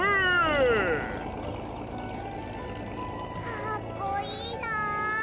かっこいいなあ。